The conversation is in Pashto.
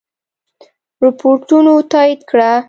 رپوټونو تایید کړه.